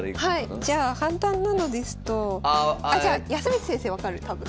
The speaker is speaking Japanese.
じゃあ簡単なのですとあじゃあ康光先生分かる多分。